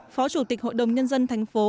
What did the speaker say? phó chủ tịch hội đồng nhân dân tp